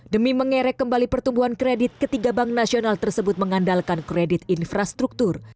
demi mengerek kembali pertumbuhan kredit ketiga bank nasional tersebut mengandalkan kredit infrastruktur